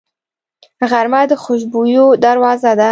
غرمه د خوشبویو دروازه ده